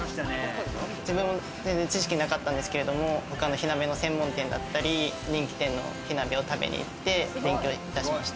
自分も知識なかったんですけれども、火鍋の専門店だったり、人気店の火鍋を食べに行って勉強いたしました。